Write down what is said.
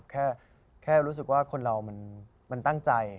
แค่รู้สึกว่าคนเรามันตั้งใจ